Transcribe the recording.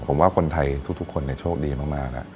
ผมว่าคนไทยทุกคนโชคดีมาก